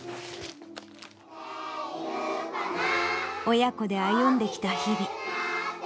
親子で歩んできた日々。